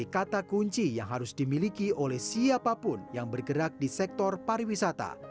kata kunci yang harus dimiliki oleh siapapun yang bergerak di sektor pariwisata